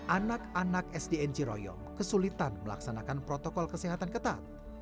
anak anak sdn ciroyong kesulitan melaksanakan protokol kesehatan ketat